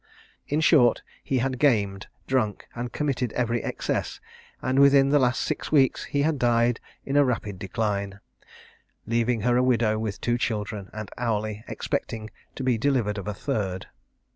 In short he had gamed, drunk, and committed every excess; and within the last six weeks he had died in a rapid decline, leaving her a widow, with two children, and hourly expecting to be delivered of a third.